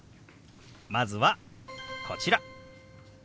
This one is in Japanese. まずはこちら。